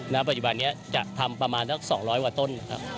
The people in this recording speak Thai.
ณปัจจุบันนี้จะทำประมาณทั้ง๒๐๐ว่าต้น